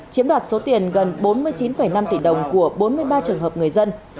chiếm đoạt số tiền gần bốn mươi chín năm tỷ đồng của bốn mươi ba trường hợp người dân